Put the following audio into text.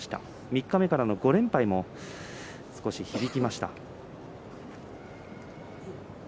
三日目からの５連敗も響きました。